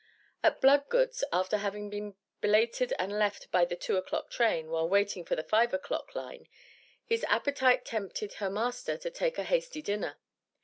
At Bloodgood's, after having been belated and left by the 2 o'clock train, while waiting for the 5 o'clock line, his appetite tempted her "master" to take a hasty dinner.